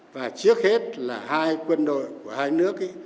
và trước hết là hai quân đội của hai nước